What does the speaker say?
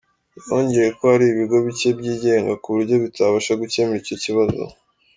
Yongeyeho ko hari ibigo bike byigenga ku buryo bitabasha gukemura icyo kibazo.